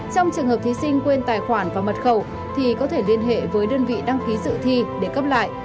trong trường hợp thí sinh quên tài khoản và mật khẩu thì có thể liên hệ với đơn vị đăng ký dự thi để cấp lại